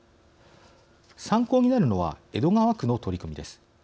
参考になるのは江戸川区の取り組みです。